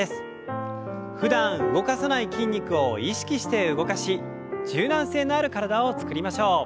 ふだん動かさない筋肉を意識して動かし柔軟性のある体を作りましょう。